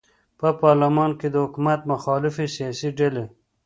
په پارلمان کې د حکومت مخالفې سیاسي ډلې